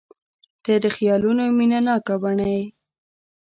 • ته د خیالونو مینهناکه بڼه یې.